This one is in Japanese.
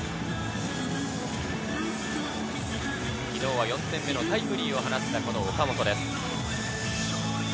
昨日は４点目のタイムリーを放った岡本です。